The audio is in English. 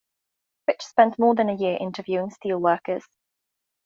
Fitch spent more than a year interviewing steel workers.